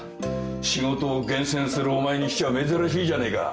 仕事を厳選するお前にしては珍しいじゃねえか。